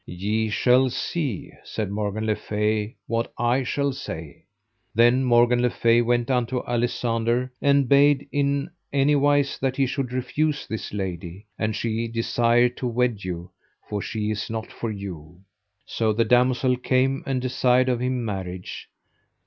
Ye shall see, said Morgan le Fay, what I shall say. Then Morgan le Fay went unto Alisander, and bade in anywise that he should refuse this lady, an she desire to wed you, for she is not for you. So the damosel came and desired of him marriage.